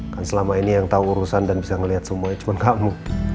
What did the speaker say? kan selama ini yang tau urusan dan bisa ngeliat semuanya cuman kamu